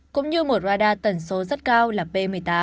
cũng như một radar tần số rất cao là p một mươi tám